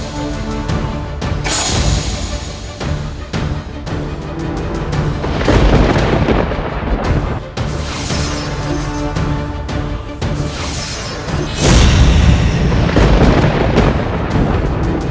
kau bisa saja lari